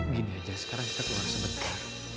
gini aja sekarang kita keluar sebentar